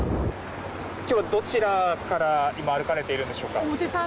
今日はどちらから今、歩かれているんでしょうか。